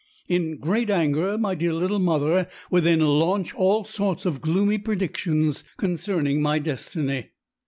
In great anger my dear little mother would then launch all sorts of gloomy predictions concerning my destiny."